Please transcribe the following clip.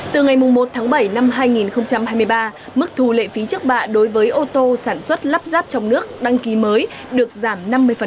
từ ngày một tháng bảy năm hai nghìn hai mươi ba mức thu lệ phí trước bạ đối với ô tô sản xuất lắp ráp trong nước đăng ký mới được giảm năm mươi